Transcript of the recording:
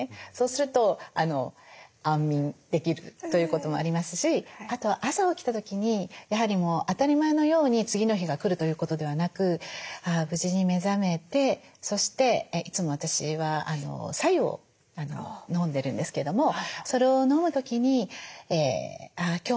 そうすると安眠できるということもありますしあとは朝起きた時にやはりもう当たり前のように次の日が来るということではなくあ無事に目覚めてそしていつも私は白湯を飲んでるんですけどもそれを飲む時にあ